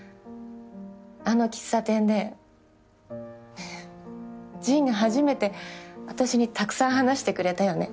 あの喫茶店でジンが初めて私にたくさん話してくれたよね。